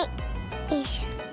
よいしょ。